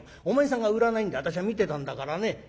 お前さんが売らないんで私は見てたんだからね。